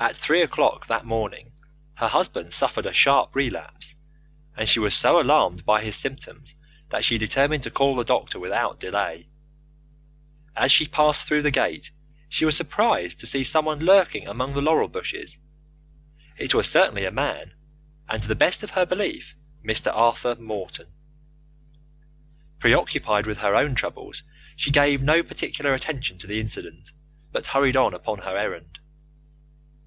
At three o'clock that morning her husband suffered a sharp relapse, and she was so alarmed by his symptoms that she determined to call the doctor without delay. As she passed through the gate she was surprised to see someone lurking among the laurel bushes. It was certainly a man, and to the best of her belief Mr. Arthur Morton. Preoccupied with her own troubles, she gave no particular attention to the incident, but hurried on upon her errand.